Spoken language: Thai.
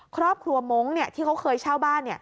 ครอบครัวมงค์ที่เขาเคยเช่าบ้าน